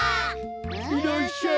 いらっしゃい！